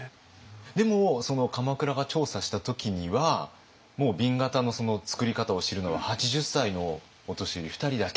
でもその鎌倉が調査した時にはもう紅型の作り方を知るのは８０歳のお年寄り２人だけ。